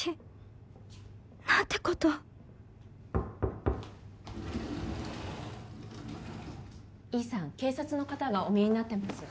・コンコンコン維井さん警察の方がお見えになってます。